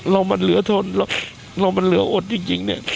เรามันเหลือทนเรามันเหลืออดจริงเนี่ย